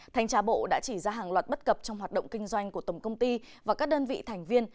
thanh tra bộ đã chỉ ra hàng loạt bất cập trong hoạt động kinh doanh của tổng công ty và các đơn vị thành viên